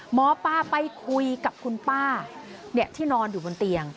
หมอปลาไปคุยกับคุณป้าที่นอนอยู่บนเตียง